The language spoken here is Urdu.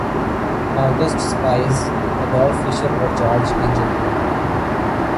آ گسٹ سپائز ‘ایڈولف فشر اور جارج اینجل کو